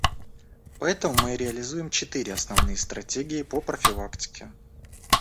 Поэтому мы реализуем четыре основные стратегии по профилактике.